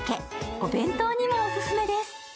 お弁当にもオススメです。